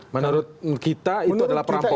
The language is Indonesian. menurut kita itu adalah perampokan